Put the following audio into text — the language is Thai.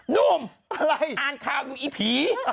นุ่มอ่านข้าวอยู่อีภีร์